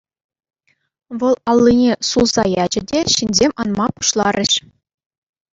Вӑл аллине сулса ячӗ те ҫынсем анма пуҫларӗҫ.